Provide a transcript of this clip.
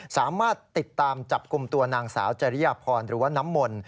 สามารถติดตามจับกลุ่มตัวนางสาวจริยพรหรือว่าน้ำมนต์